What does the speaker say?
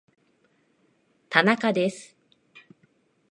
田中です